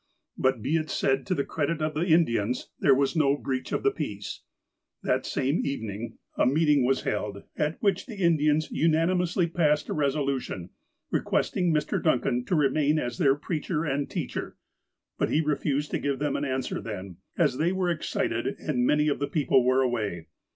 But, be it said to the credit of the Indians, there was no breach of the peace. That same evening a meeting was held, at which the Indians unanimously passed a resolution, requesting Mr. Duncan to remain as their preacher and teacher. But he refused to give them an answer then, as they were ex cited, and many of the people were away.